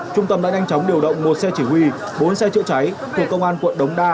trung tâm đã nhanh chóng điều động một xe chỉ huy bốn xe chữa cháy thuộc công an quận đống đa